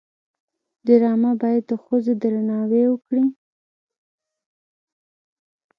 ډرامه باید د ښځو درناوی وکړي